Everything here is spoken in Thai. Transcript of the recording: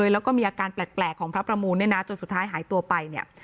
แล้วก็มีอาการแปลกของพระประมูลจนสุดท้ายหายตัวไป